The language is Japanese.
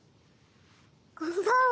こんばんは！